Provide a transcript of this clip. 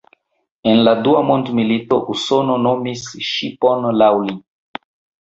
En la dua mondmilito Usono nomis ŝipon laŭ li.